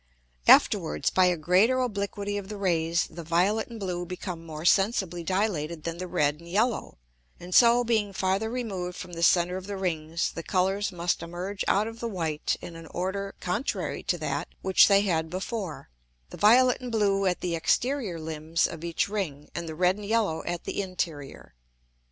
Afterwards, by a greater obliquity of the Rays, the violet and blue become more sensibly dilated than the red and yellow, and so being farther removed from the center of the Rings, the Colours must emerge out of the white in an order contrary to that which they had before; the violet and blue at the exterior Limbs of each Ring, and the red and yellow at the interior.